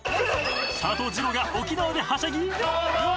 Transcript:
［佐藤二朗が沖縄ではしゃぎ］